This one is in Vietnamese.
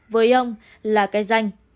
với ông là cái danh